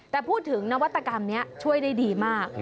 แต่พูดถึงนวัตกรรมนี้ช่วยได้ดีมาก